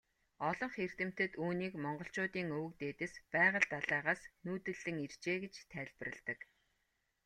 Олонх эрдэмтэд үүнийг монголчуудын өвөг дээдэс Байгал далайгаас нүүдэллэн иржээ гэж тайлбарладаг.